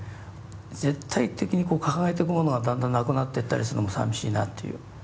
絶対的に掲げてくものがだんだんなくなってったりするのもさみしいなっていう。